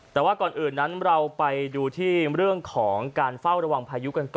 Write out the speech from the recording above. แต่ว่าก่อนอื่นนั้นเราไปดูที่เรื่องของการเฝ้าระวังพายุกันต่อ